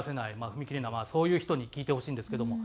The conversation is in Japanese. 踏み切れないそういう人に聞いてほしいんですけども。